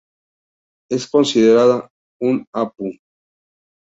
Es considera un apu.